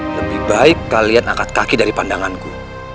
lebih baik kalian angkat kaki dari pandanganku